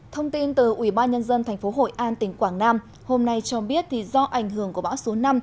thông tin từ ủy ban nhân dân tp hội an tỉnh quảng nam hôm nay cho biết do ảnh hưởng của bão số năm